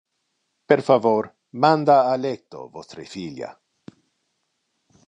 Per favor, manda a lecto vostre filia.